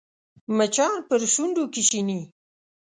مچان پر شونډو کښېني